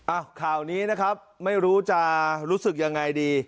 ข่าวนี้นะครับไม่รู้จะรู้สึกยังไงดี